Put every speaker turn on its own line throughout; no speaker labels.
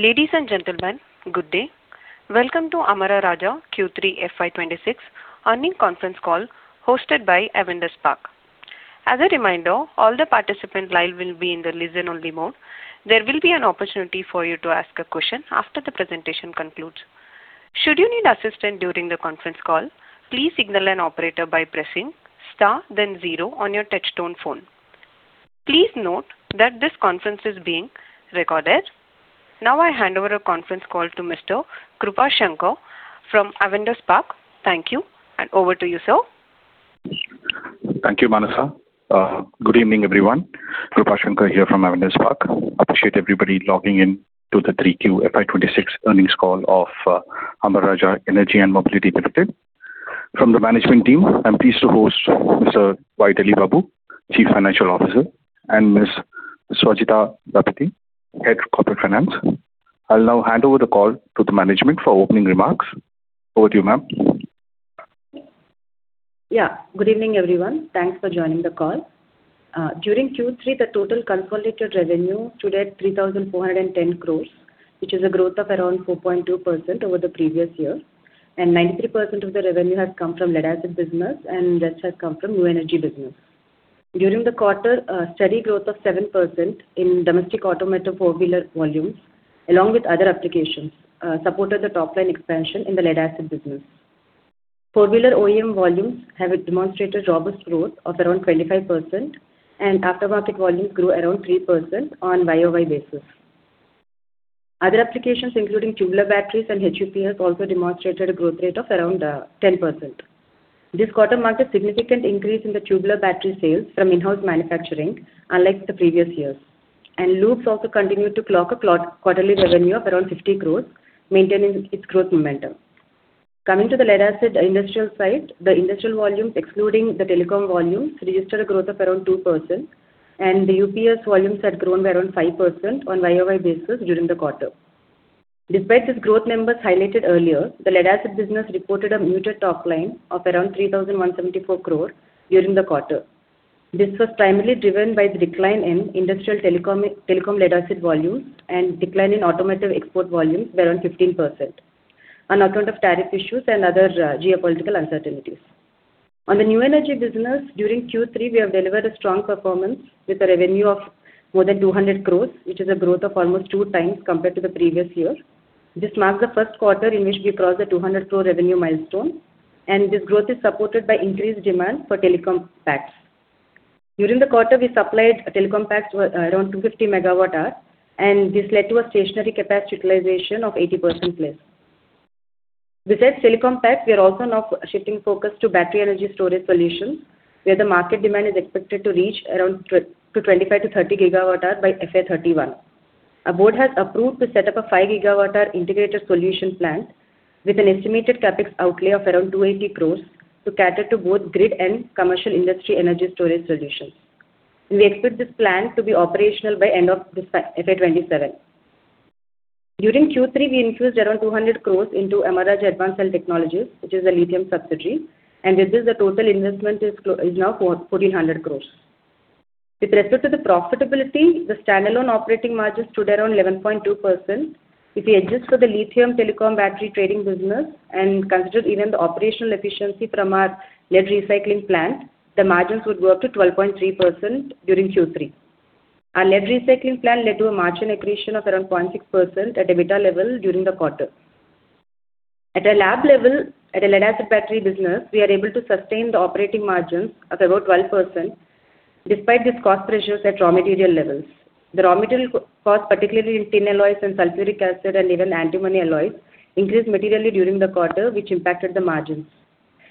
Ladies and gentlemen, good day. Welcome to Amara Raja Q3 FY26 Earnings Conference Call, hosted by Avendus Spark. As a reminder, all participants will be in the listen-only mode. There will be an opportunity for you to ask a question after the presentation concludes. Should you need assistance during the conference call, please signal an operator by pressing star then zero on your touchtone phone. Please note that this conference is being recorded. Now, I hand over the conference call to Mr. Krupa Shankar from Avendus Spark. Thank you, and over to you, sir.
Thank you, Manasa. Good evening, everyone. Krupa Shankar here from Avendus Spark. Appreciate everybody logging in to the 3Q FY26 Earnings Call of Amara Raja Energy & Mobility Limited. From the management team, I'm pleased to host Mr. Y. Delli Babu, Chief Financial Officer, and Ms. Swajitha Rapeti, Head of Corporate Finance. I'll now hand over the call to the management for opening remarks. Over to you, ma'am.
Yeah, good evening, everyone. Thanks for joining the call. During Q3, the total consolidated revenue stood at 3,410 crore, which is a growth of around 4.2% over the previous year, and 93% of the revenue has come from lead-acid business and rest has come from new energy business. During the quarter, a steady growth of 7% in domestic automotive four-wheeler volumes, along with other applications, supported the top line expansion in the lead-acid business. Four-wheeler OEM volumes have demonstrated robust growth of around 25%, and aftermarket volumes grew around 3% on YoY basis. Other applications, including tubular batteries and HUPS, has also demonstrated a growth rate of around 10%. This quarter marked a significant increase in the tubular battery sales from in-house manufacturing, unlike the previous years. Lubes also continued to clock a quarterly revenue of around 50 crore, maintaining its growth momentum. Coming to the lead-acid industrial side, the industrial volumes, excluding the telecom volumes, registered a growth of around 2%, and the UPS volumes had grown by around 5% on YoY basis during the quarter. Despite these growth numbers highlighted earlier, the lead-acid business reported a muted top line of around 3,174 crore during the quarter. This was primarily driven by the decline in industrial telecom, telecom lead-acid volumes and decline in automotive export volumes by around 15%, on account of tariff issues and other geopolitical uncertainties. On the new energy business, during Q3, we have delivered a strong performance with a revenue of more than 200 crore, which is a growth of almost 2x compared to the previous year. This marks the first quarter in which we crossed the 200 crore revenue milestone, and this growth is supported by increased demand for telecom packs. During the quarter, we supplied a telecom packs around 250 MWh, and this led to a stationary capacity utilization of 80%+. Besides telecom packs, we are also now shifting focus to Battery Energy Storage solutions, where the market demand is expected to reach around 25-30 GWh by FY31. Our board has approved to set up a 5 GWh integrated solution plant with an estimated CapEx outlay of around 280 crore to cater to both grid and commercial industry energy storage solutions. We expect this plan to be operational by end of this FY, FY27. During Q3, we infused around 200 crore into Amara Raja Advanced Cell Technologies, which is a lithium subsidiary, and this is the total investment is now 1,400 crore. With respect to the profitability, the standalone operating margins stood around 11.2%. If we adjust for the lithium telecom battery trading business and consider even the operational efficiency from our lead recycling plant, the margins would go up to 12.3% during Q3. Our lead recycling plant led to a margin accretion of around 0.6% at EBITDA level during the quarter. At a lead-acid level, at a lead-acid battery business, we are able to sustain the operating margins of about 12%, despite these cost pressures at raw material levels. The raw material cost, particularly in tin alloys and sulfuric acid and even antimony alloys, increased materially during the quarter, which impacted the margins.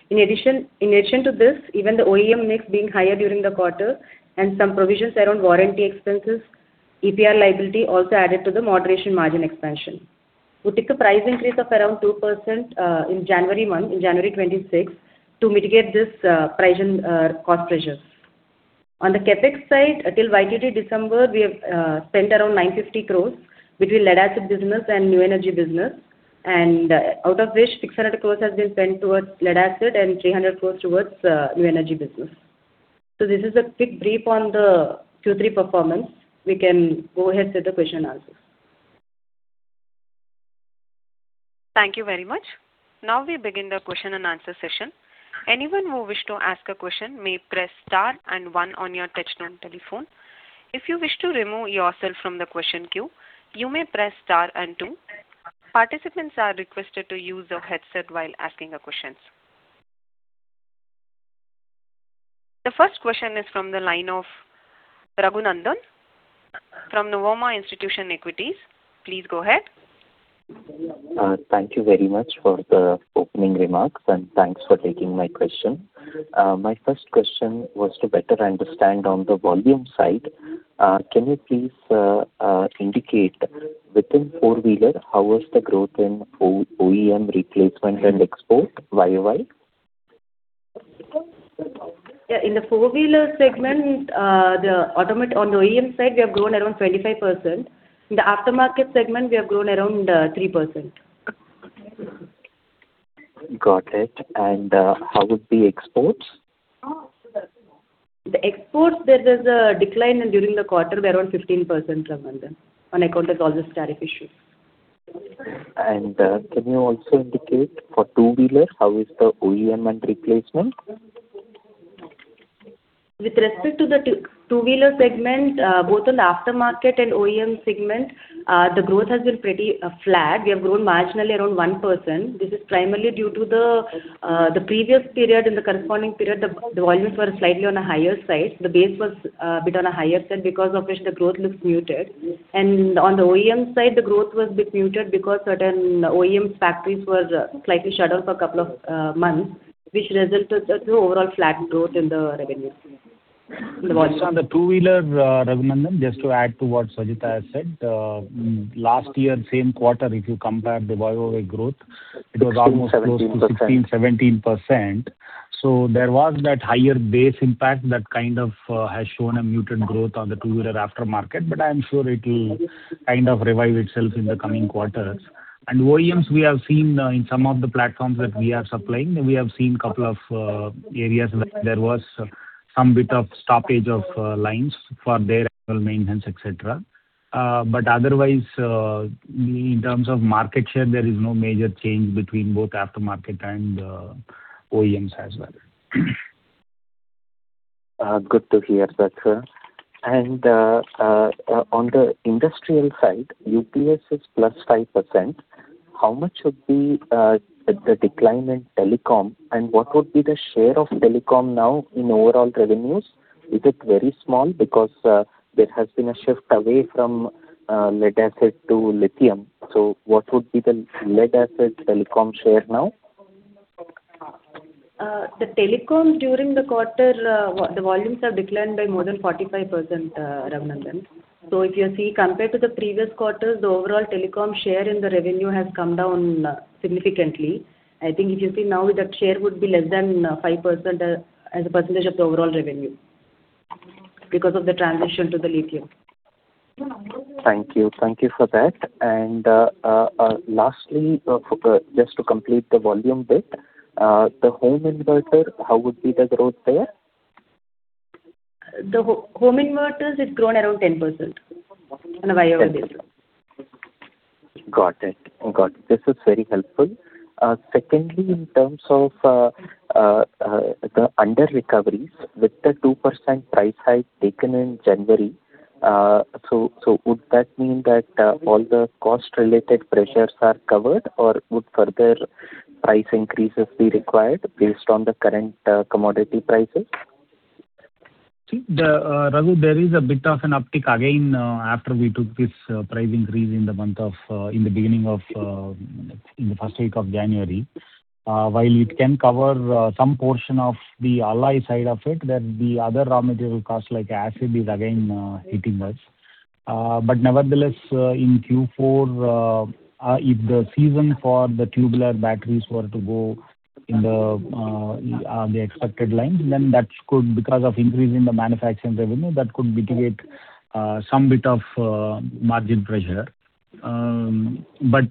In addition, in addition to this, even the OEM mix being higher during the quarter and some provisions around warranty expenses, EPR liability also added to the moderation margin expansion. We took a price increase of around 2%, in January month, in January 2026, to mitigate this, price and, cost pressures. On the CapEx side, until YTD December, we have spent around 950 crore between lead-acid business and new energy business, and out of which 600 crore has been spent towards lead-acid and 300 crore towards, new energy business. So this is a quick brief on the Q3 performance. We can go ahead with the question and answers.
Thank you very much. Now we begin the question and answer session. Anyone who wish to ask a question may press star and one on your touchtone telephone. If you wish to remove yourself from the question queue, you may press star and two. Participants are requested to use a headset while asking the questions. The first question is from the line of Raghu Nandan from Nuvama Institutional Equities. Please go ahead.
Thank you very much for the opening remarks, and thanks for taking my question. My first question was to better understand on the volume side, can you please indicate within four-wheeler, how was the growth in OEM replacement and export YOY?
Yeah, in the four-wheeler segment, the Amaron on the OEM side, we have grown around 25%. In the aftermarket segment, we have grown around 3%.
Got it. How would be exports?
The exports, there is a decline in during the quarter, they're around 15%, Raghu Nandan, on account of all the tariff issues.
Can you also indicate for two-wheeler, how is the OEM and replacement?
With respect to the two-wheeler segment, both on the aftermarket and OEM segment, the growth has been pretty flat. We have grown marginally around 1%. This is primarily due to the previous period and the corresponding period, the volumes were slightly on a higher side. The base was a bit on a higher side, because of which the growth looks muted. And on the OEM side, the growth was a bit muted because certain OEM factories was slightly shut down for a couple of months, which resulted to overall flat growth in the revenue, in the volume.
Just on the two-wheeler, Raghu Nandan, just to add to what Swajitha has said, last year, same quarter, if you compare the YoY growth, it was almost.
16%-17%.
Close to 16%-17%. So there was that higher base impact that kind of has shown a muted growth on the two-wheeler aftermarket, but I am sure it will kind of revive itself in the coming quarters. And OEMs, we have seen in some of the platforms that we are supplying, we have seen a couple of areas where there was some bit of stoppage of lines for their annual maintenance, et cetera. But otherwise, in terms of market share, there is no major change between both aftermarket and OEMs as well.
Good to hear that, sir. On the industrial side, UPS is +5%. How much would be the decline in telecom, and what would be the share of telecom now in overall revenues? Is it very small? Because there has been a shift away from lead-acid to lithium. So what would be the lead-acid telecom share now?
The telecom during the quarter, the volumes have declined by more than 45%, Raghu Nandan. So if you see, compared to the previous quarter, the overall telecom share in the revenue has come down significantly. I think if you see now, that share would be less than 5% as a percentage of the overall revenue, because of the transition to the lithium.
Thank you. Thank you for that. And, lastly, just to complete the volume bit, the home inverter, how would be the growth there?
The home inverters has grown around 10% on a YoY basis.
Got it. Got it. This is very helpful. Secondly, in terms of the under recoveries, with the 2% price hike taken in January, so would that mean that all the cost-related pressures are covered, or would further price increases be required based on the current commodity prices?
See, the Raghu, there is a bit of an uptick again after we took this price increase in the month of, in the beginning of, in the first week of January. While it can cover some portion of the alloy side of it, then the other raw material costs, like acid, is again hitting us. But nevertheless, in Q4, if the season for the tubular batteries were to go in the expected line, then that could, because of increase in the manufacturing revenue, that could mitigate some bit of margin pressure. But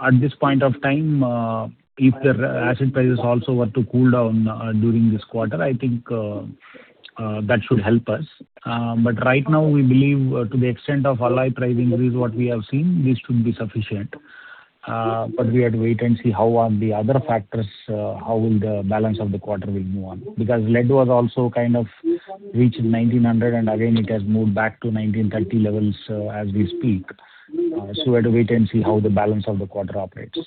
at this point of time, if the acid prices also were to cool down during this quarter, I think that should help us. But right now, we believe, to the extent of alloy price increase, what we have seen, this should be sufficient. But we have to wait and see how on the other factors, how will the balance of the quarter will move on. Because lead was also kind of reached $1,900, and again, it has moved back to $1,930 levels, as we speak. So we have to wait and see how the balance of the quarter operates.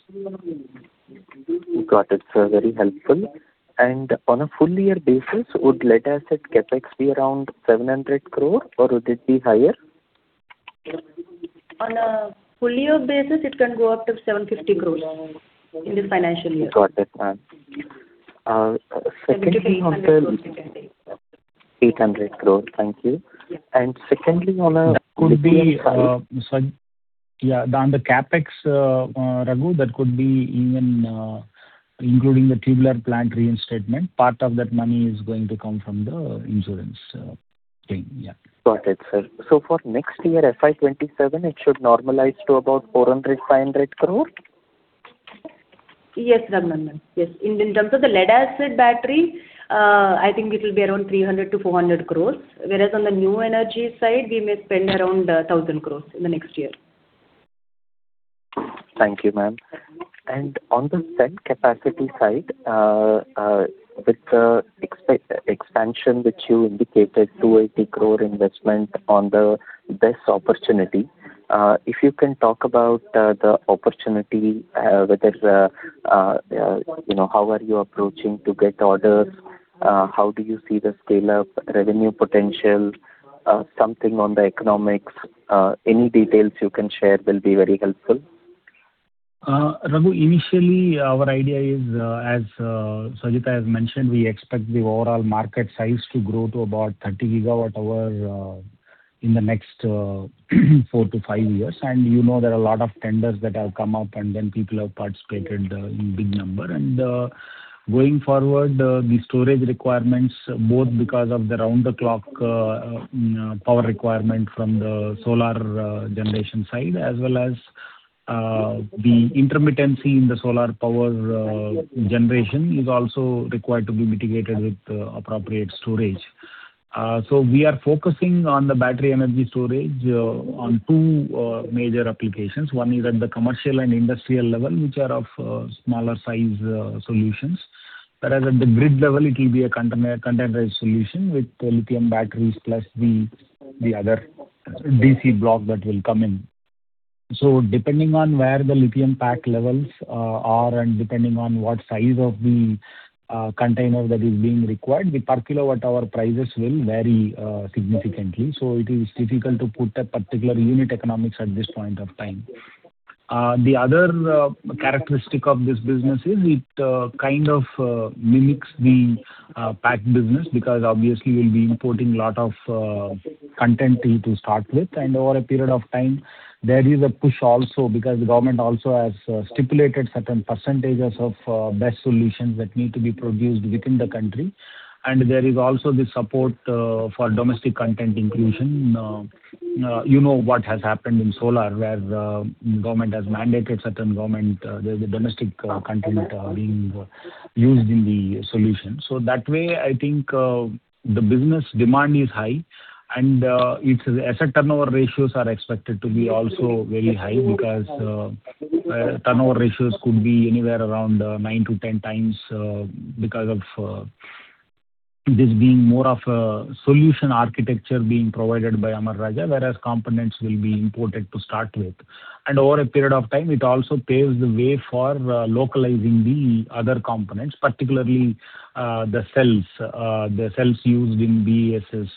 Got it, sir. Very helpful. And on a full year basis, would lead-acid CapEx be around 700 crore, or would it be higher?
On a full year basis, it can go up to 750 crore in this financial year.
Got it, ma'am. Secondly, on the.
INR 800 crore, second day.
800 crore. Thank you.
Yeah.
Secondly, on a.
Could be, Saj. Yeah, on the CapEx, Raghu, that could be even, including the tubular plant reinstatement. Part of that money is going to come from the insurance thing. Yeah.
Got it, sir. So for next year, FY 2027, it should normalize to about 400-500 crore?
Yes, Raghu Nandan. Yes. In, in terms of the lead-acid battery, I think it will be around 300-400 crores, whereas on the new energy side, we may spend around 1,000 crores in the next year.
Thank you, ma'am. On the cell capacity side, with the expansion which you indicated, 280 crore investment on the BESS opportunity, if you can talk about the opportunity, whether, you know, how are you approaching to get orders? How do you see the scale of revenue potential? Something on the economics, any details you can share will be very helpful.
Raghu, initially, our idea is, as Swajitha has mentioned, we expect the overall market size to grow to about 30 GWh in the next four-five years. You know, there are a lot of tenders that have come up, and then people have participated in big number, and going forward, the storage requirements, both because of the round-the-clock power requirement from the solar generation side, as well as the intermittency in the solar power generation, is also required to be mitigated with the appropriate storage. So we are focusing on the battery energy storage on two major applications. One is at the commercial and industrial level, which are of smaller size solutions. Whereas at the grid level, it will be a containerized solution with lithium batteries, plus the other DC block that will come in. So depending on where the lithium pack levels are, and depending on what size of the container that is being required, the per kilowatt-hour prices will vary significantly. So it is difficult to put a particular unit economics at this point of time. The other characteristic of this business is it kind of mimics the pack business, because obviously we'll be importing a lot of content to start with. And over a period of time, there is a push also, because the government also has stipulated certain percentages of BESS solutions that need to be produced within the country. And there is also the support for domestic content inclusion. You know, what has happened in solar, where the government has mandated certain government, there's a domestic content being used in the solution. So that way, I think, the business demand is high, and, its asset turnover ratios are expected to be also very high, because, turnover ratios could be anywhere around 9-10x, because of, this being more of a solution architecture being provided by Amara Raja, whereas components will be imported to start with. And over a period of time, it also paves the way for localizing the other components, particularly, the cells. The cells used in BESS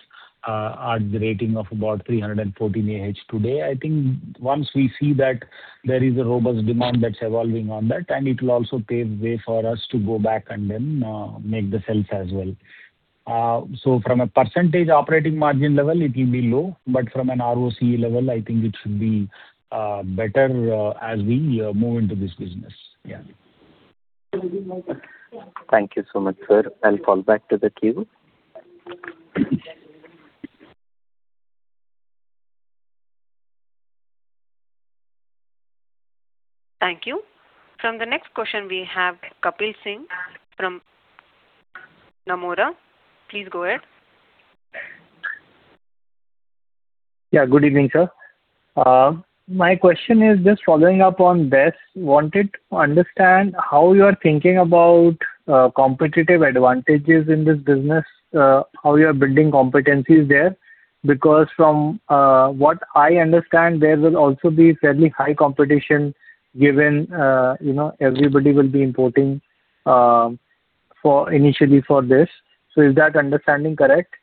are the rating of about 314 Ah today. I think once we see that there is a robust demand that's evolving on that, and it will also pave way for us to go back and then, make the cells as well. So from a percentage operating margin level, it will be low, but from an ROCE level, I think it should be, better, as we, move into this business. Yeah.
Thank you so much, sir. I'll call back to the queue.
Thank you. From the next question, we have Kapil Singh from Nomura. Please go ahead.
Yeah. Good evening, sir. My question is just following up on BESS. Wanted to understand how you are thinking about, competitive advantages in this business, how you are building competencies there? Because from, what I understand, there will also be fairly high competition given, you know, everybody will be importing, for initially for this. So is that understanding correct?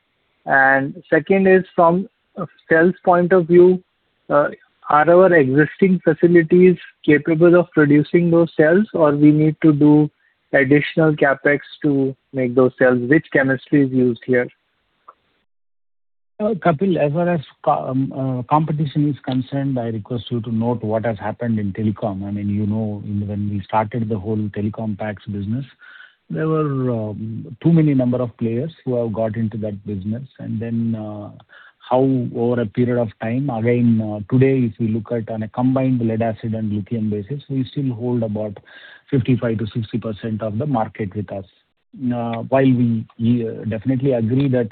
And second is, from a sales point of view, are our existing facilities capable of producing those cells, or we need to do additional CapEx to make those cells? Which chemistry is used here?
Kapil, as far as competition is concerned, I request you to note what has happened in telecom. I mean, you know, when we started the whole telecom packs business, there were too many number of players who have got into that business. And then, how over a period of time. Again, today, if you look at on a combined lead-acid and lithium basis, we still hold about 55%-60% of the market with us. While we definitely agree that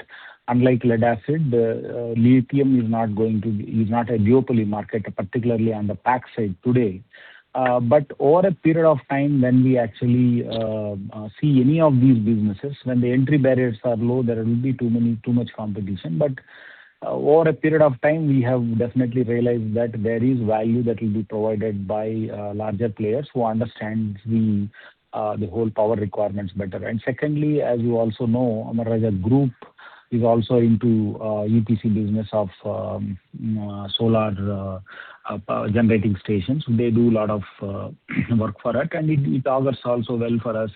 unlike lead-acid, lithium is not going to be, is not a duopoly market, particularly on the pack side today. But over a period of time, when we actually see any of these businesses, when the entry barriers are low, there will be too much competition. But over a period of time, we have definitely realized that there is value that will be provided by larger players who understand the whole power requirements better. And secondly, as you also know, Amara Raja Group is also into EPC business of solar generating stations. They do a lot of work for it, and it augurs also well for us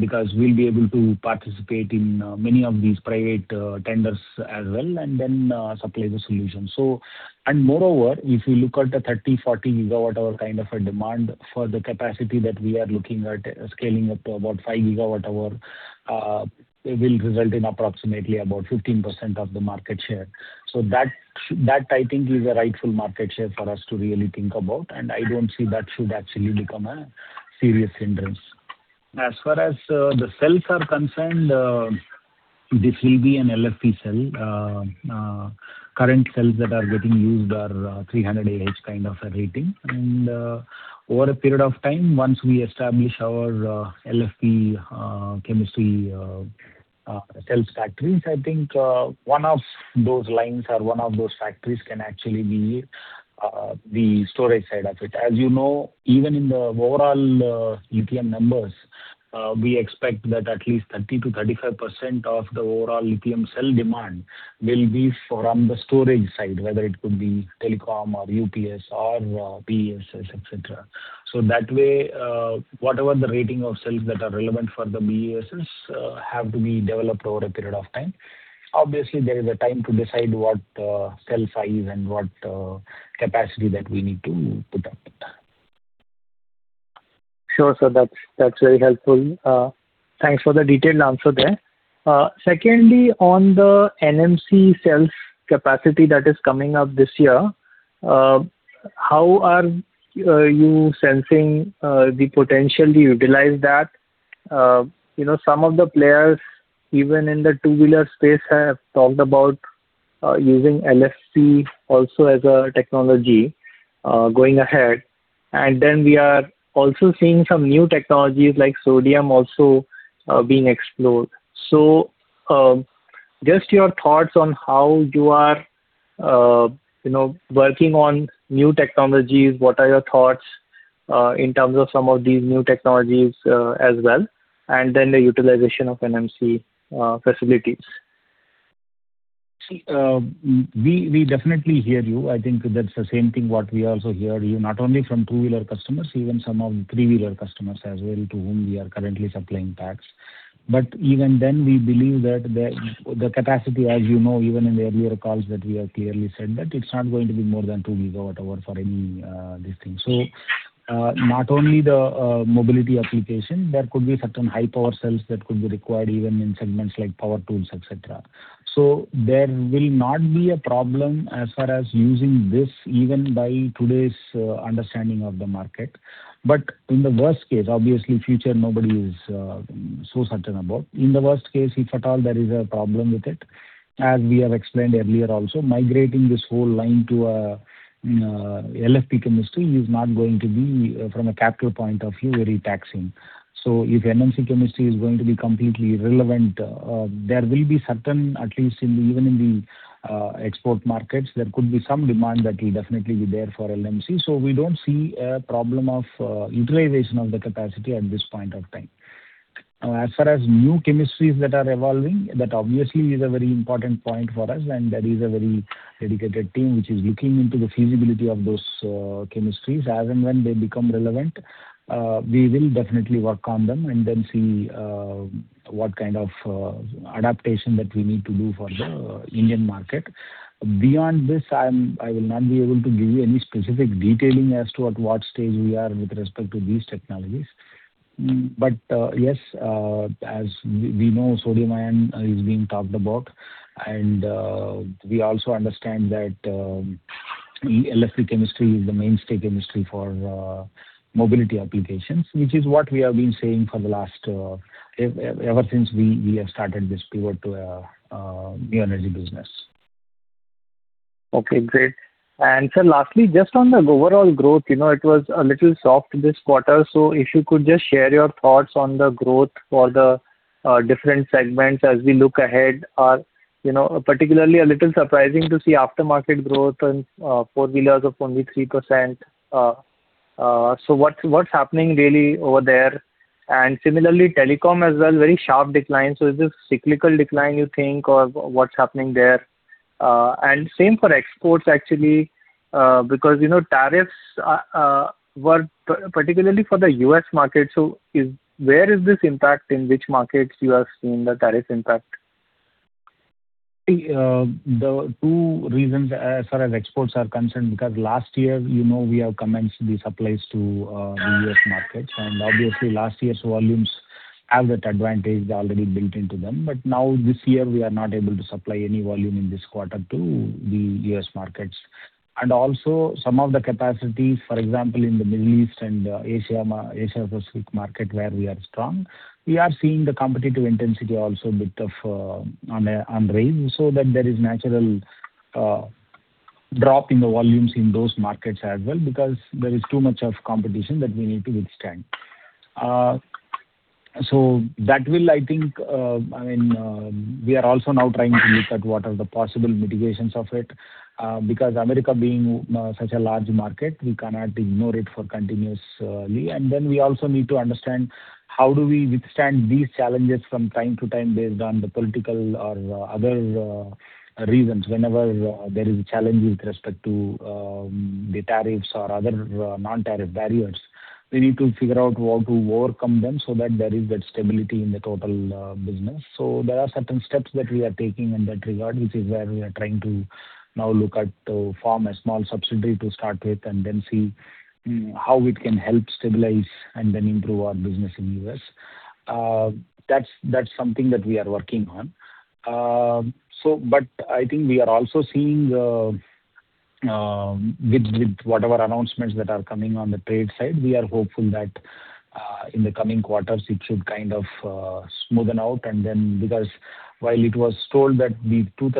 because we'll be able to participate in many of these private tenders as well, and then supply the solution. So, and moreover, if you look at the 30-40 GWh kind of a demand for the capacity that we are looking at, scaling up to about 5 GWh, it will result in approximately about 15% of the market share. So that, I think, is a rightful market share for us to really think about, and I don't see that should actually become a serious hindrance. As far as the cells are concerned, this will be an LFP cell. Current cells that are getting used are 300 Ah kind of a rating. And over a period of time, once we establish our LFP chemistry cells factories, I think one of those lines or one of those factories can actually be the storage side of it. As you know, even in the overall lithium numbers, we expect that at least 30%-35% of the overall lithium cell demand will be from the storage side, whether it could be telecom or UPS or BESS, et cetera. So that way, whatever the rating of cells that are relevant for the BESS have to be developed over a period of time. Obviously, there is a time to decide what cell size and what capacity that we need to put up.
Sure, sir. That's very helpful. Thanks for the detailed answer there. Secondly, on the NMC cell capacity that is coming up this year, how are you sensing the potential to utilize that? You know, some of the players, even in the two-wheeler space, have talked about using LFP also as a technology going ahead. And then we are also seeing some new technologies, like sodium, also being explored. So, just your thoughts on how you are, you know, working on new technologies. What are your thoughts in terms of some of these new technologies as well, and then the utilization of NMC facilities?
See, we definitely hear you. I think that's the same thing what we also hear you, not only from two-wheeler customers, even some of the three-wheeler customers as well, to whom we are currently supplying packs. But even then, we believe that the capacity, as you know, even in the earlier calls, that we have clearly said that it's not going to be more than 2 GWh for any this thing. So, not only the mobility application, there could be certain high-power cells that could be required even in segments like power tools, et cetera. So there will not be a problem as far as using this, even by today's understanding of the market. But in the worst case, obviously, future, nobody is so certain about. In the worst case, if at all there is a problem with it, as we have explained earlier also, migrating this whole line to a, you know, LFP chemistry is not going to be, from a capital point of view, very taxing. So if NMC chemistry is going to be completely irrelevant, there will be certain, at least in the, even in the export markets, there could be some demand that will definitely be there for NMC. So we don't see a problem of utilization of the capacity at this point of time. As far as new chemistries that are evolving, that obviously is a very important point for us, and there is a very dedicated team which is looking into the feasibility of those chemistries. As and when they become relevant, we will definitely work on them and then see what kind of adaptation that we need to do for the Indian market. Beyond this, I will not be able to give you any specific detailing as to at what stage we are with respect to these technologies. But yes, as we know, sodium-ion is being talked about, and we also understand that LFP chemistry is the mainstay chemistry for mobility applications, which is what we have been saying for the last ever since we have started this pivot to new energy business.
Okay, great. And sir, lastly, just on the overall growth, you know, it was a little soft this quarter, so if you could just share your thoughts on the growth for the different segments as we look ahead. Or, you know, particularly a little surprising to see aftermarket growth on four-wheelers of only 3%. So what's happening really over there? And similarly, telecom as well, very sharp decline. So is this cyclical decline, you think, or what's happening there? And same for exports, actually, because, you know, tariffs were particularly for the U.S. market. So where is this impact, in which markets you have seen the tariff impact?
See, the two reasons as far as exports are concerned, because last year, you know, we have commenced the supplies to the U.S. markets. Obviously, last year's volumes have that advantage already built into them. But now, this year, we are not able to supply any volume in this quarter to the U.S. markets. Also, some of the capacities, for example, in the Middle East and Asia Pacific market, where we are strong, we are seeing the competitive intensity also a bit of on a on rise, so that there is natural drop in the volumes in those markets as well, because there is too much of competition that we need to withstand. So that will, I think, I mean, we are also now trying to look at what are the possible mitigations of it, because America being such a large market, we cannot ignore it for continuously. Then we also need to understand how do we withstand these challenges from time to time based on the political or other reasons? Whenever there is a challenge with respect to the tariffs or other non-tariff barriers, we need to figure out how to overcome them so that there is that stability in the total business. There are certain steps that we are taking in that regard, which is where we are trying to now look at form a small subsidiary to start with, and then see how it can help stabilize and then improve our business in U.S. That's something that we are working on. So but I think we are also seeing, with whatever announcements that are coming on the trade side, we are hopeful that, in the coming quarters, it should kind of, smoothen out. And then because while it was told that the Section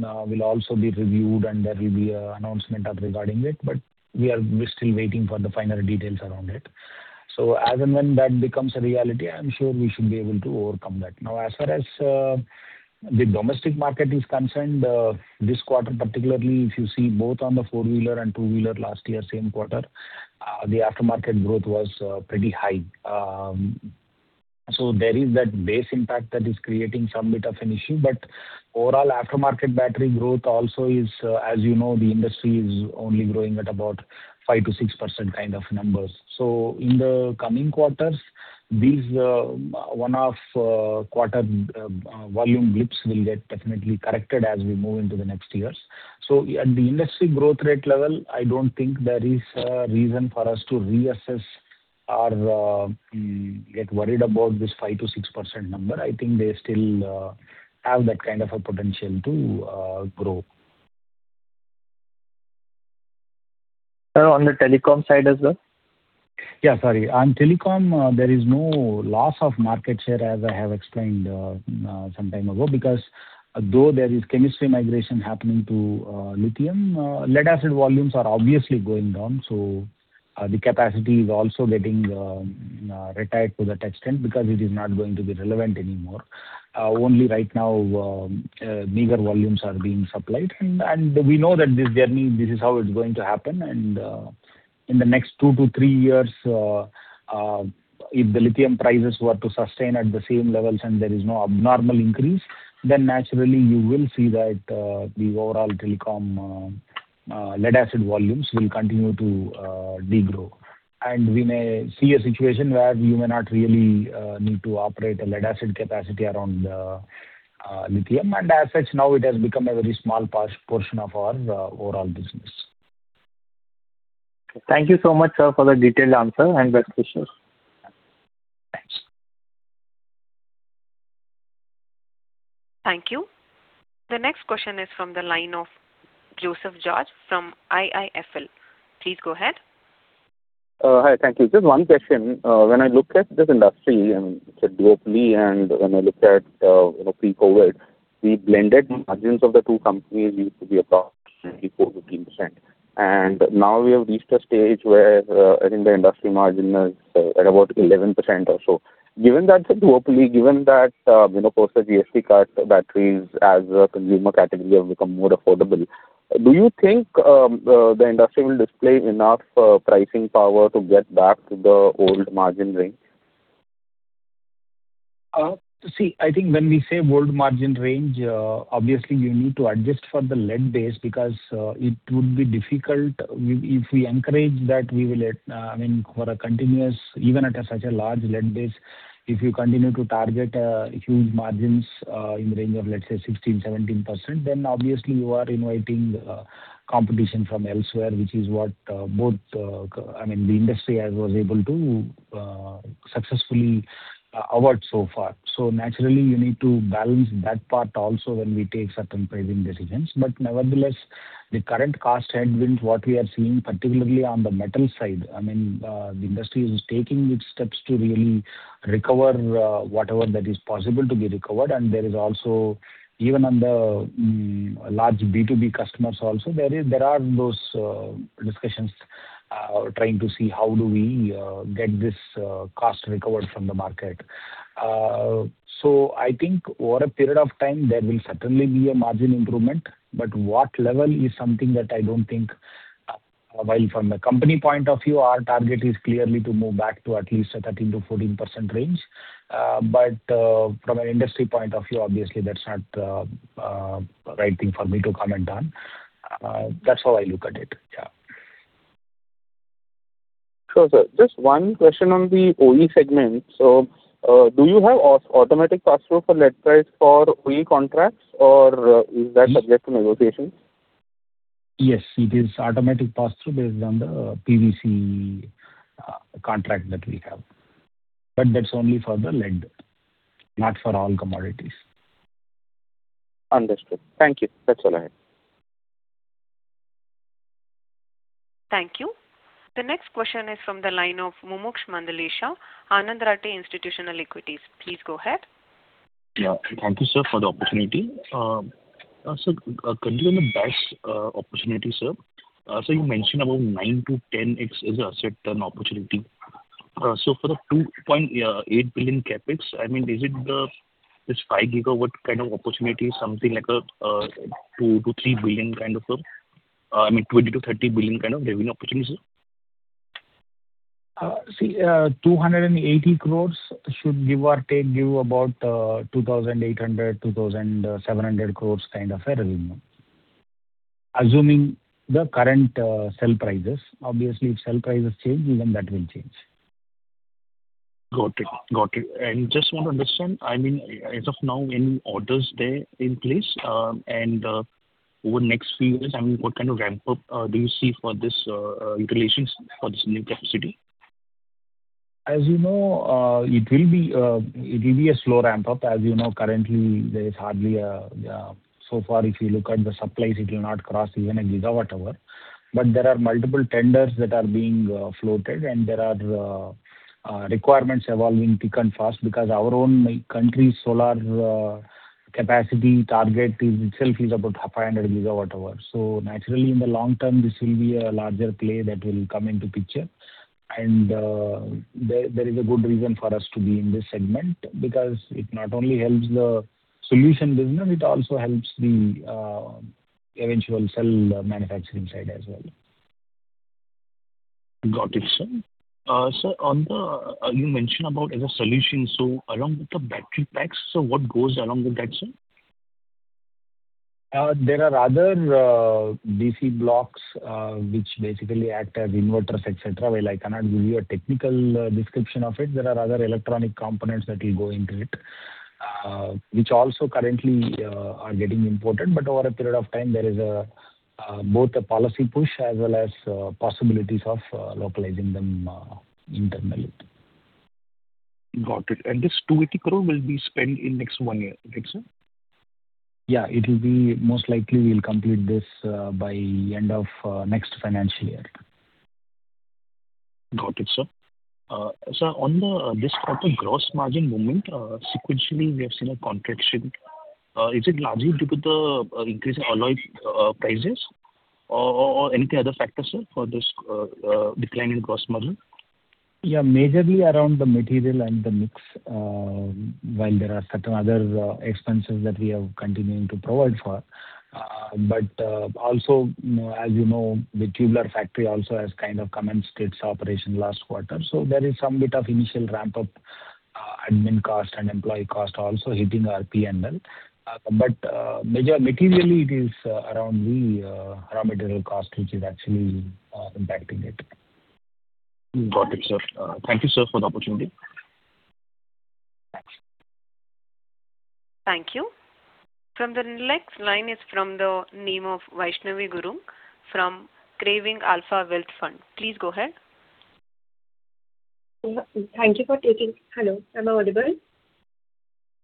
232, will also be reviewed, and there will be an announcement regarding it, but we're still waiting for the final details around it. So as and when that becomes a reality, I'm sure we should be able to overcome that. Now, as far as the domestic market is concerned, this quarter particularly, if you see both on the four-wheeler and two-wheeler last year, same quarter, the aftermarket growth was, pretty high. So there is that base impact that is creating some bit of an issue. But overall, aftermarket battery growth also is, as you know, the industry is only growing at about 5%-6% kind of numbers. So in the coming quarters, these one-off quarter volume blips will get definitely corrected as we move into the next years. So at the industry growth rate level, I don't think there is a reason for us to reassess or get worried about this 5%-6% number. I think they still have that kind of a potential to grow.
Sir, on the telecom side as well?
Yeah, sorry. On telecom, there is no loss of market share, as I have explained some time ago, because though there is chemistry migration happening to lithium, lead-acid volumes are obviously going down, so the capacity is also getting retired to that extent, because it is not going to be relevant anymore. Only right now, meager volumes are being supplied. And we know that this journey, this is how it's going to happen, and in the next two-three years, if the lithium prices were to sustain at the same levels and there is no abnormal increase, then naturally you will see that the overall telecom lead-acid volumes will continue to degrow. We may see a situation where you may not really need to operate a lead-acid capacity around lithium. And as such, now it has become a very small part, portion of our overall business.
Thank you so much, sir, for the detailed answer, and best wishes. Thanks.
Thank you. The next question is from the line of Joseph George from IIFL. Please go ahead.
Hi. Thank you. Just one question. When I look at this industry, and it's a duopoly, and when I look at, you know, pre-COVID, the blended margins of the two companies used to be about 14, 14%. And now we have reached a stage where, I think the industry margin is at about 11% or so. Given that it's a duopoly, given that, you know, post the GST cut, batteries as a consumer category have become more affordable, do you think, the industry will display enough, pricing power to get back to the old margin range?
See, I think when we say old margin range, obviously, you need to adjust for the lead base, because it would be difficult, if we encourage that, we will, I mean, for a continuous, even at such a large lead base, if you continue to target huge margins in the range of, let's say, 16%-17%, then obviously you are inviting competition from elsewhere, which is what both, I mean, the industry as was able to successfully avoid so far. So naturally, you need to balance that part also when we take certain pricing decisions. But nevertheless, the current cost headwinds what we are seeing, particularly on the metal side, I mean, the industry is taking its steps to really recover whatever that is possible to be recovered. And there is also, even on the, large B2B customers also, there is, there are those, discussions, trying to see how do we, get this, cost recovered from the market. So I think over a period of time, there will certainly be a margin improvement, but what level is something that I don't think. While from the company point of view, our target is clearly to move back to at least a 13%-14% range, but, from an industry point of view, obviously, that's not, the right thing for me to comment on. That's how I look at it. Yeah.
Sure, sir. Just one question on the OE segment: so, do you have automatic pass-through for lead price for OE contracts, or is that subject to negotiation?
Yes, it is automatic pass-through based on the PVC contract that we have. But that's only for the lead, not for all commodities.
Understood. Thank you. That's all I had.
Thank you. The next question is from the line of Mumuksh Mandlesha, Anand Rathi Institutional Equities. Please go ahead.
Yeah. Thank you, sir, for the opportunity. Sir, continuing the BESS opportunity, sir. So you mentioned about 9-10x is an asset turn opportunity. So for the 2.8 billion CapEx, I mean, is it this 5 gigawatt kind of opportunity, something like a 2-3 billion kind of a, I mean, 20-30 billion kind of revenue opportunity, sir?
See, 280 crore should give or take, give about 2,800, 2,700 crore kind of a revenue, assuming the current cell prices. Obviously, if cell prices change, even that will change.
Got it. Got it. And just want to understand, I mean, as of now, any orders there in place? And, over the next few years, I mean, what kind of ramp-up do you see for this, utilization for this new capacity?
As you know, it will be a slow ramp-up. As you know, currently, there's hardly a. So far, if you look at the supplies, it will not cross even a GWh. But there are multiple tenders that are being floated, and there are requirements evolving thick and fast, because our own country's solar capacity target is, itself is about 500 GWh. So naturally, in the long term, this will be a larger play that will come into picture. And there is a good reason for us to be in this segment, because it not only helps the solution business, it also helps the eventual cell manufacturing side as well.
Got it, sir. So, on the, you mentioned about as a solution, so along with the battery packs, so what goes along with that, sir?
There are other DC blocks which basically act as inverters, et cetera. Well, I cannot give you a technical description of it. There are other electronic components that will go into it, which also currently are getting imported. But over a period of time, there is both a policy push as well as possibilities of localizing them internally.
Got it. This 280 crore will be spent in next one year, okay, sir?
Yeah. It will be most likely we'll complete this by end of next financial year.
Got it, sir. Sir, on this quarter gross margin movement, sequentially, we have seen a contraction. Is it largely due to the increase in alloy prices or any other factors, sir, for this decline in gross margin?
Yeah. Majorly around the material and the mix, while there are certain other expenses that we are continuing to provide for. But also, you know, as you know, the tubular factory also has kind of commenced its operation last quarter, so there is some bit of initial ramp-up, admin cost and employee cost also hitting our P&L. But materially, it is around the raw material cost, which is actually impacting it.
Got it, sir. Thank you, sir, for the opportunity. Thanks.
Thank you. From the next line is from the name of Vaishnavi Gurung from Craving Alpha Wealth Fund. Please go ahead.
Thank you for taking. Hello, am I audible?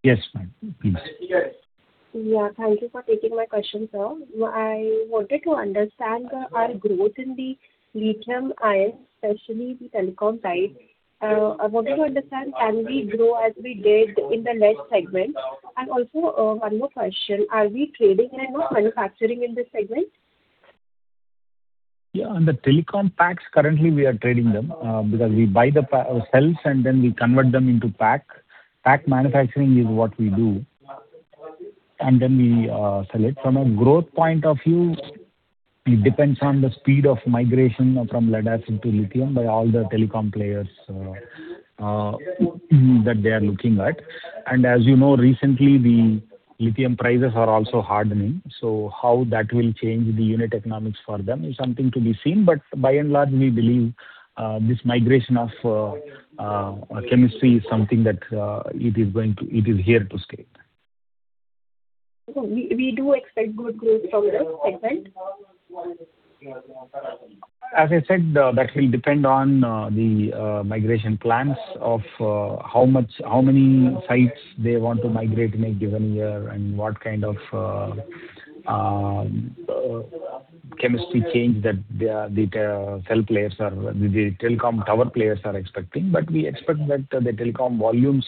Yes, ma'am. Please.
Yeah. Thank you for taking my question, sir. I wanted to understand our growth in the lithium-ion, especially the telecom side. I wanted to understand, can we grow as we did in the lead segment? And also, one more question: Are we trading and not manufacturing in this segment?
Yeah, on the telecom packs, currently we are trading them because we buy the cells, and then we convert them into pack. Pack manufacturing is what we do, and then we sell it. From a growth point of view, it depends on the speed of migration from lead-acid to lithium by all the telecom players that they are looking at. And as you know, recently, the lithium prices are also hardening, so how that will change the unit economics for them is something to be seen. But by and large, we believe this migration of chemistry is something that it is going to, it is here to stay.
So we do expect good growth from this segment?
As I said, that will depend on the migration plans of how much, how many sites they want to migrate in a given year and what kind of chemistry change that the cell players or the telecom tower players are expecting. But we expect that the telecom volumes,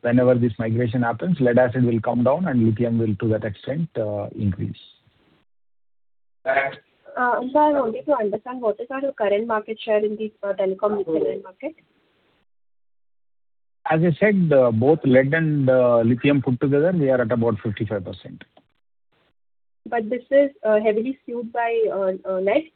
whenever this migration happens, lead-acid will come down, and lithium will, to that extent, increase.
Sir, I wanted to understand, what is our current market share in the telecom lithium market?
As I said, both lead and lithium put together, we are at about 55%.
But this is heavily skewed by lead?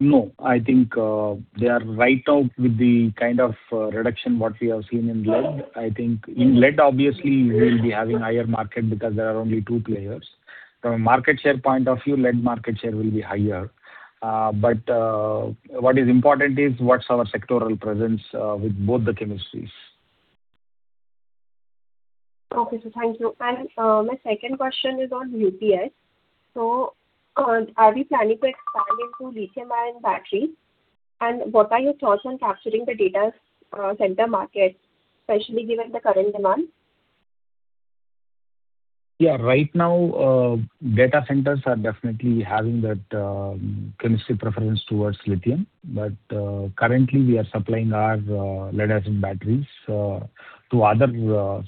No, I think, they are right out with the kind of reduction what we have seen in lead. I think in lead, obviously, we will be having higher market, because there are only two players. From a market share point of view, lead market share will be higher. But, what is important is what's our sectoral presence, with both the chemistries.
Okay, sir, thank you. And, my second question is on UPS. So, are we planning to expand into lithium-ion batteries? And what are your thoughts on capturing the data center market, especially given the current demand?
Yeah. Right now, data centers are definitely having that, chemistry preference towards lithium, but, currently, we are supplying our, lead-acid batteries, to other,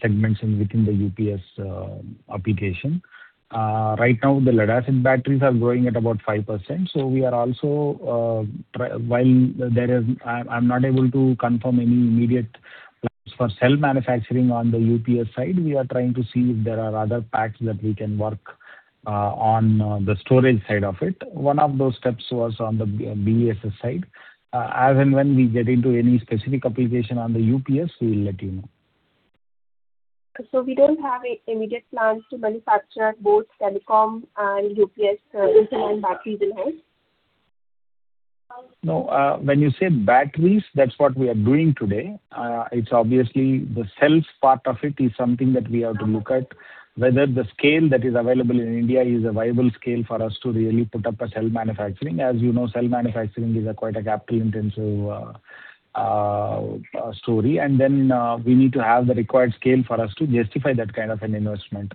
segments within the UPS application. Right now, the lead-acid batteries are growing at about 5%, so we are also. While there is, I'm not able to confirm any immediate plans for cell manufacturing on the UPS side. We are trying to see if there are other packs that we can work, on, the storage side of it. One of those steps was on the BESS side. As and when we get into any specific application on the UPS, we will let you know.
So we don't have immediate plans to manufacture both telecom and UPS lithium-ion batteries in hand?
No. When you say batteries, that's what we are doing today. It's obviously, the cells part of it is something that we have to look at, whether the scale that is available in India is a viable scale for us to really put up a cell manufacturing. As you know, cell manufacturing is a quite a capital-intensive story, and then we need to have the required scale for us to justify that kind of an investment.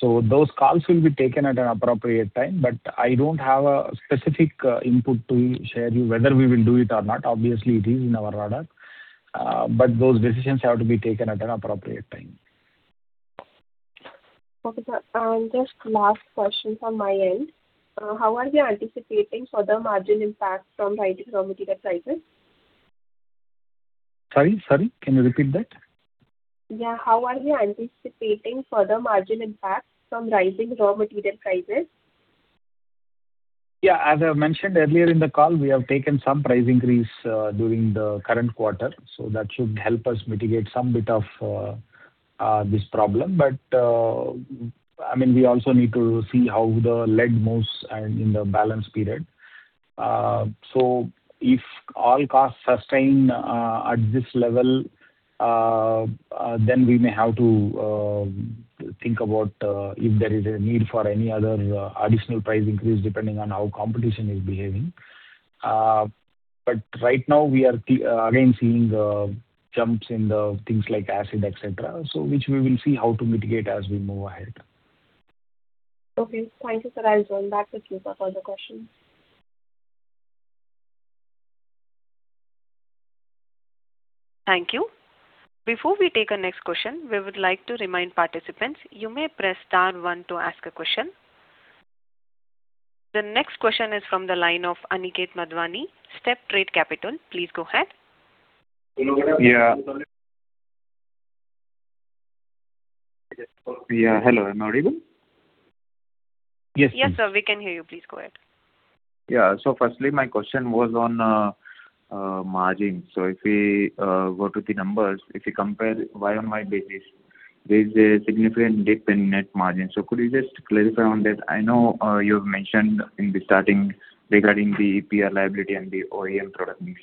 So those calls will be taken at an appropriate time, but I don't have a specific input to share you, whether we will do it or not. Obviously, it is in our radar, but those decisions have to be taken at an appropriate time.
Okay, sir. Just last question from my end. How are we anticipating further margin impact from rising raw material prices?
Sorry, sorry, can you repeat that?
Yeah. How are you anticipating further margin impact from rising raw material prices?
Yeah, as I mentioned earlier in the call, we have taken some price increase during the current quarter, so that should help us mitigate some bit of this problem. But, I mean, we also need to see how the lead moves and in the balance period. So if all costs sustain at this level, then we may have to think about if there is a need for any other additional price increase, depending on how competition is behaving. But right now, we are again seeing jumps in the things like acid, et cetera, so which we will see how to mitigate as we move ahead.
Okay. Thank you, sir. I'll join back with you for further questions.
Thank you. Before we take our next question, we would like to remind participants, you may press star one to ask a question. The next question is from the line of Aniket Madhwani, StepTrade Capital. Please go ahead.
Yeah. Yeah, hello, am I audible? Yes.
Yes, sir, we can hear you. Please go ahead.
Yeah. Firstly, my question was on margin. If we go to the numbers, if you compare Y on Y basis, there is a significant dip in net margin. Could you just clarify on that? I know you have mentioned in the starting regarding the EPR liability and the OEM product mix.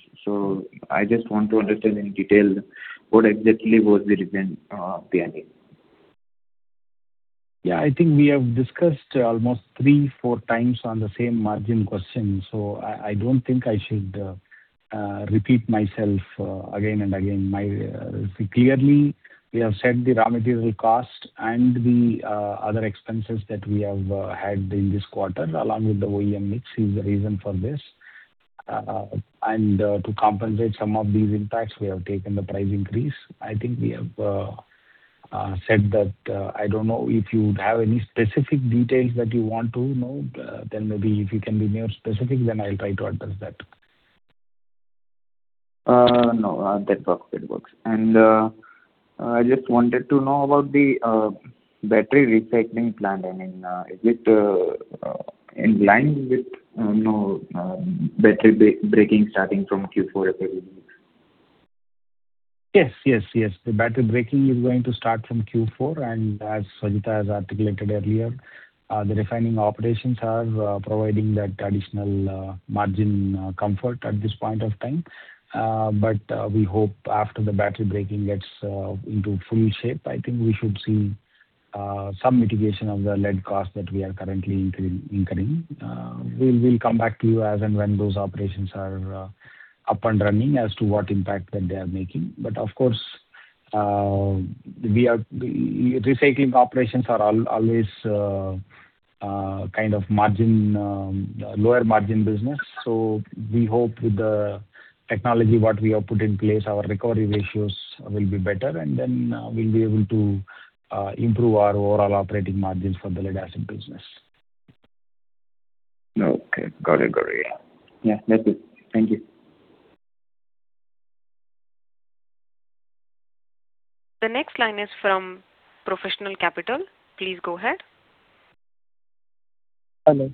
I just want to understand in detail what exactly was the reason behind it.
Yeah, I think we have discussed almost three, four times on the same margin question, so I don't think I should repeat myself again and again. Clearly, we have said the raw material cost and the other expenses that we have had in this quarter, along with the OEM mix, is the reason for this. And to compensate some of these impacts, we have taken the price increase. I think we have said that. I don't know if you have any specific details that you want to know, then maybe if you can be more specific, then I'll try to address that.
No, that works, that works. I just wanted to know about the battery recycling plan. I mean, is it in line with, you know, battery breaking starting from Q4 as per your needs?
Yes, yes, yes. The battery breaking is going to start from Q4, and as Swajitha has articulated earlier, the refining operations are providing that additional margin comfort at this point of time. But we hope after the battery breaking gets into full shape, I think we should see some mitigation of the lead cost that we are currently incurring. We'll come back to you as and when those operations are up and running as to what impact that they are making. But of course, recycling operations are always kind of lower margin business, so we hope with the technology what we have put in place, our recovery ratios will be better, and then we'll be able to improve our overall operating margins for the lead-acid business.
Okay. Got it. Got it. Yeah. Yeah, that's it. Thank you.
The next line is from Professional Capital. Please go ahead.
Hello?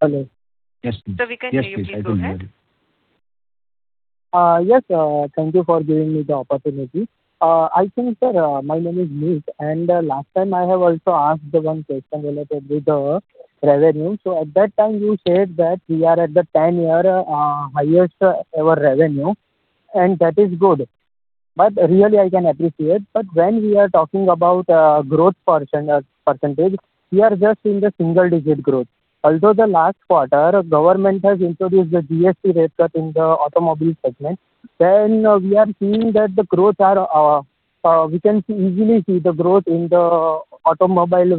Hello.
Yes, please.
Sir, we can hear you. Please go ahead.
Yes, please. Go ahead.
Yes, thank you for giving me the opportunity. I think, sir, my name is Nick, and last time I have also asked the one question related with the revenue. So at that time, you said that we are at the 10-year highest ever revenue, and that is good. But really I can appreciate, but when we are talking about growth percent, percentage, we are just in the single digit growth. Although the last quarter, government has introduced the GST rate cut in the automobile segment, then we are seeing that the growth are, we can easily see the growth in the automobile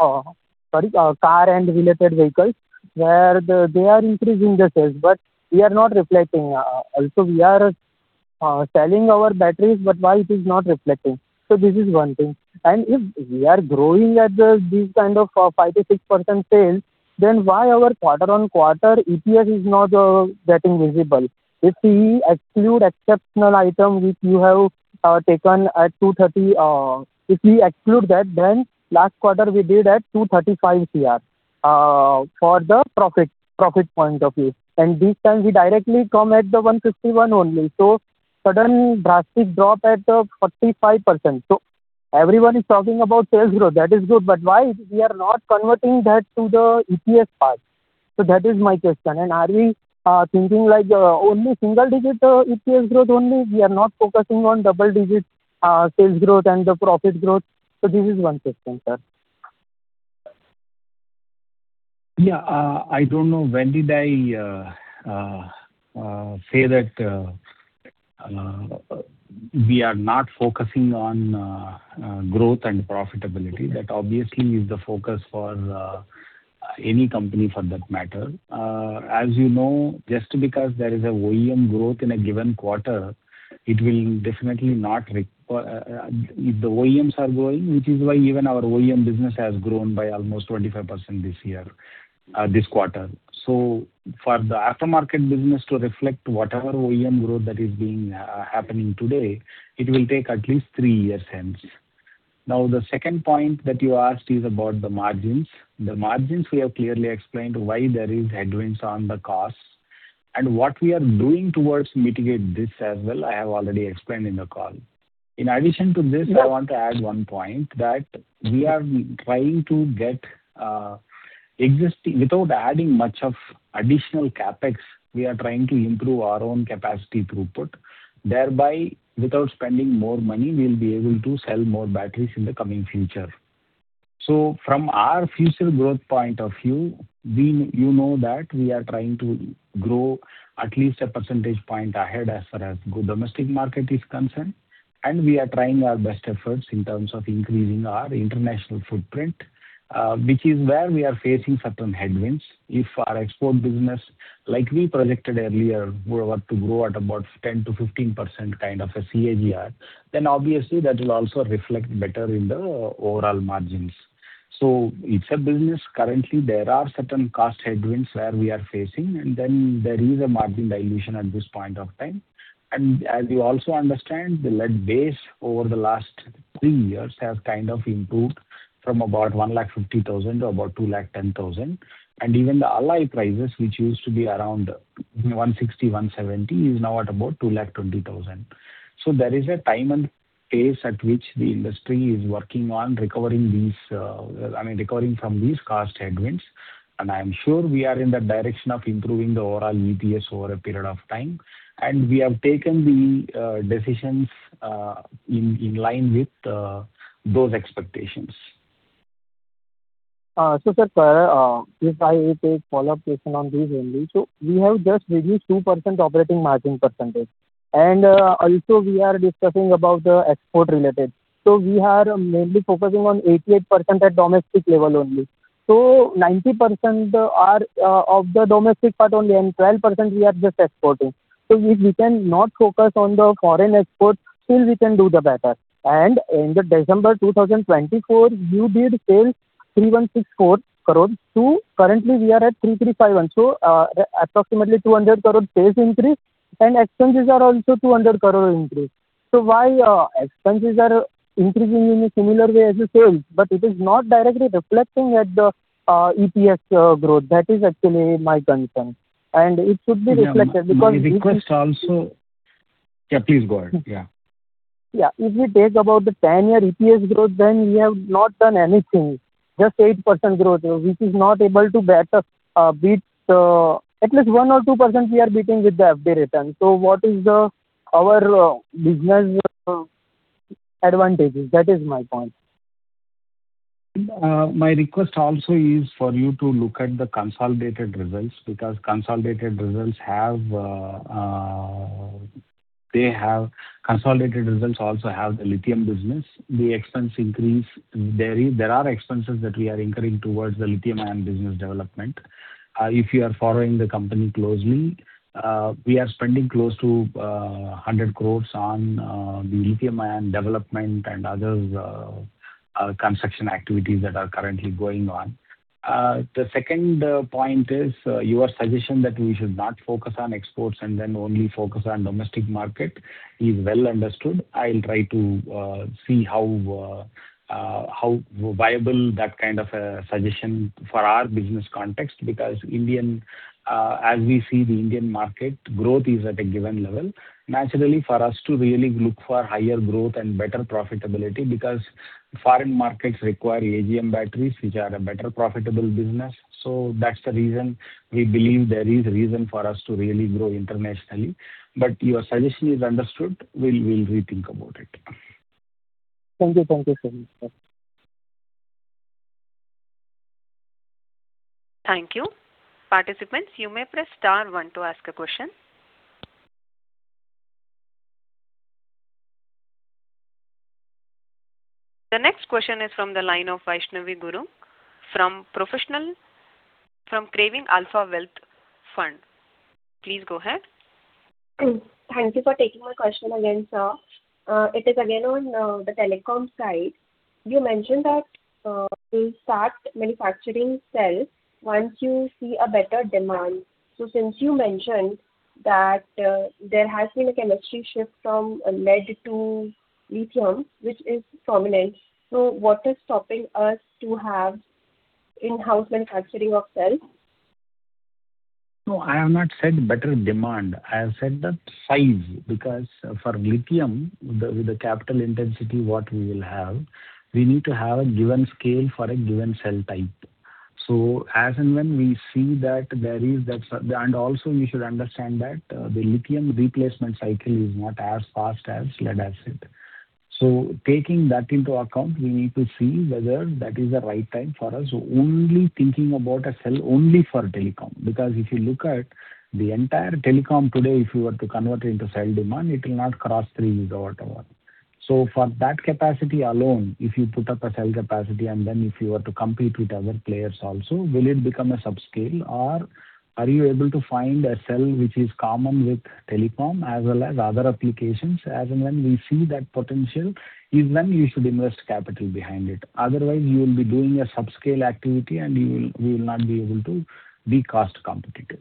sorry, car and related vehicles, where they are increasing the sales, but we are not reflecting. Also we are selling our batteries, but why it is not reflecting? So this is one thing. And if we are growing at the, this kind of 5%-6% sales, then why our quarter-on-quarter EPS is not getting visible? If we exclude exceptional item, which you have taken at 230 crore, if we exclude that, then last quarter, we did at 235 crore for the profit, profit point of view. And this time we directly come at the 151 crore only. So sudden drastic drop at 45%. So everyone is talking about sales growth, that is good, but why we are not converting that to the EPS part? So that is my question. And are we thinking like only single-digit EPS growth only? We are not focusing on double-digit sales growth and the profit growth. So this is one question, sir.
Yeah, I don't know, when did I say that we are not focusing on growth and profitability? That obviously is the focus for any company for that matter. As you know, just because there is a OEM growth in a given quarter, it will definitely not, if the OEMs are growing, which is why even our OEM business has grown by almost 25% this year, this quarter. So for the aftermarket business to reflect whatever OEM growth that is being happening today, it will take at least three years, hence. Now, the second point that you asked is about the margins. The margins, we have clearly explained why there is headwinds on the costs, and what we are doing towards mitigate this as well, I have already explained in the call. In addition to this, I want to add one point, that we are trying to get existing without adding much of additional CapEx, we are trying to improve our own capacity throughput. Thereby, without spending more money, we'll be able to sell more batteries in the coming future. So from our future growth point of view, we, you know that we are trying to grow at least a percentage point ahead as far as the domestic market is concerned, and we are trying our best efforts in terms of increasing our international footprint, which is where we are facing certain headwinds. If our export business, like we projected earlier, were to grow at about 10%-15% kind of a CAGR, then obviously that will also reflect better in the overall margins. So it's a business. Currently, there are certain cost headwinds where we are facing, and then there is a margin dilution at this point of time. As you also understand, the lead base over the last three years has kind of improved from about 150,000 to about 210,000. Even the alloy prices, which used to be around 160,000-170,000, is now at about 220,000. So there is a time and pace at which the industry is working on recovering these, I mean, recovering from these cost headwinds. I am sure we are in the direction of improving the overall EPS over a period of time, and we have taken the decisions in line with those expectations.
So, sir, if I take follow-up question on these only. So we have just reduced 2% operating margin percentage, and also we are discussing about the export related. So we are mainly focusing on 88% at domestic level only. So 90% are of the domestic part only, and 12% we are just exporting. So if we can not focus on the foreign export, still we can do the better. And in the December 2024, you did sell 3,164 crore to. Currently, we are at 3351 crore, and so approximately 200 crore sales increase, and expenses are also 200 crore increase. So why expenses are increasing in a similar way as the sales, but it is not directly reflecting at the EPS growth? That is actually my concern, and it should be reflected because.
My request also. Yeah, please go ahead. Yeah.
Yeah. If we talk about the 10-year EPS growth, then we have not done anything, just 8% growth, which is not able to better beat at least 1% or 2% we are beating with the FD return. So what is our business advantages? That is my point.
My request also is for you to look at the consolidated results, because consolidated results have, they have. Consolidated results also have the lithium-ion business. The expense increase, there is, there are expenses that we are incurring towards the lithium-ion business development. If you are following the company closely, we are spending close to 100 crore on the lithium-ion development and other construction activities that are currently going on. The second point is, your suggestion that we should not focus on exports and then only focus on domestic market is well understood. I'll try to see how viable that kind of a suggestion for our business context, because Indian, as we see, the Indian market growth is at a given level. Naturally, for us to really look for higher growth and better profitability, because foreign markets require AGM batteries, which are a better profitable business. So that's the reason we believe there is reason for us to really grow internationally. But your suggestion is understood. We'll rethink about it.
Thank you. Thank you, sir.
Thank you. Participants, you may press star one to ask a question. The next question is from the line of Vaishnavi Gurung, from Professional, from Craving Alpha Wealth Fund. Please go ahead.
Thank you for taking my question again, sir. It is again on the telecom side. You mentioned that you'll start manufacturing cells once you see a better demand. So since you mentioned that, there has been a chemistry shift from lead to lithium, which is prominent, so what is stopping us to have in-house manufacturing of cells?
No, I have not said better demand. I have said that size, because for lithium, the capital intensity what we will have, we need to have a given scale for a given cell type. So as and when we see that there is that and also you should understand that, the lithium replacement cycle is not as fast as lead-acid. So taking that into account, we need to see whether that is the right time for us, only thinking about a cell only for telecom. Because if you look at the entire telecom today, if you were to convert it into cell demand, it will not cross 3 GWh. So for that capacity alone, if you put up a cell capacity, and then if you were to compete with other players also, will it become a sub-scale? Or are you able to find a cell which is common with telecom as well as other applications? As and when we see that potential, is when you should invest capital behind it. Otherwise, you will be doing a sub-scale activity, and you will, we will not be able to be cost competitive.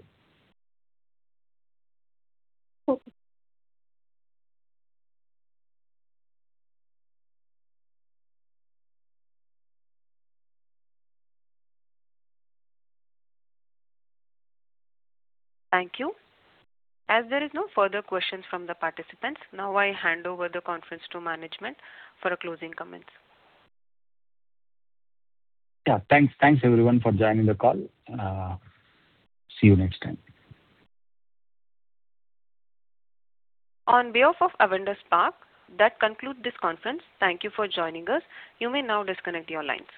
Okay.
Thank you. As there is no further questions from the participants, now I hand over the conference to management for a closing comments.
Yeah. Thanks, thanks, everyone, for joining the call. See you next time.
On behalf of Avendus Spark, that concludes this conference. Thank you for joining us. You may now disconnect your lines.